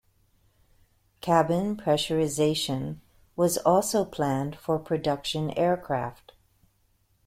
Cabin pressurization was also planned for production aircraft.